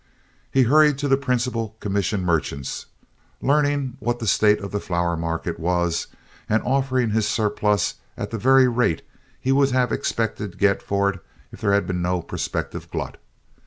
He hurried to the principal commission merchants, learning what the state of the flour market was, and offering his surplus at the very rate he would have expected to get for it if there had been no prospective glut.